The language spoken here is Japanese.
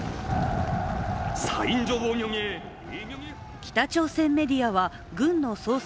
北朝鮮メディアは軍の創設